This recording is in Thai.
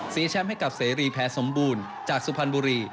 แชมป์ให้กับเสรีแพ้สมบูรณ์จากสุพรรณบุรี